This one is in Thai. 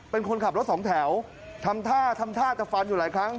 เป็นคนขับรถสองแถวทำท่าทำท่าจะฟันอยู่หลายครั้ง